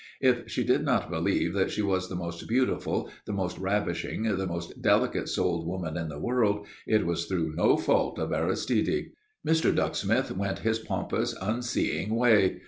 If she did not believe that she was the most beautiful, the most ravishing, the most delicate souled woman in the world, it was through no fault of Aristide. Mr. Ducksmith went his pompous, unseeing way.